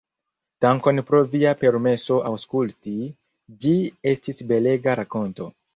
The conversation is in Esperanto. Dankon pro via permeso aŭskulti, ĝi estis belega rakonto.